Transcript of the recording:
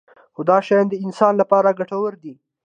خو دا شیان د انسان لپاره ګټور دي.